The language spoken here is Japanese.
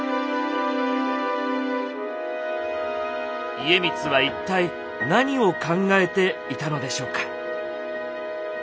家光は一体何を考えていたのでしょうか。